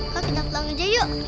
kalo kita pulang aja yuk